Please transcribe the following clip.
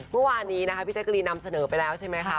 เมื่อวานนี้นะคะพี่แจ๊กรีนนำเสนอไปแล้วใช่ไหมคะ